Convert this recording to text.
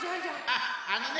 あっあのね